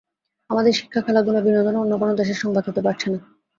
আমাদের শিক্ষা, খেলাধুলা, বিনোদনও অন্য কোনো দেশের সংবাদ হতে পারছে না।